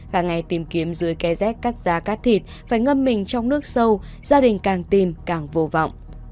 cả ngày tìm kiếm dưới ké rét cắt giá cắt thịt phải ngâm mình trong nước sâu gia đình càng tìm càng vô vọng